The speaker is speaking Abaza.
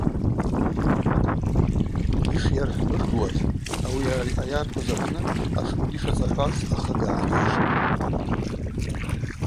Йшйархӏвбыргуаз, ауи йара йъайархӏвыз апны атшквагьи шацӏахӏваз ахыга гӏанижьтӏ.